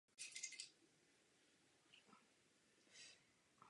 Matka přežila celé období německé blokády Leningradu.